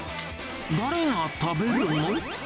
誰が食べるの？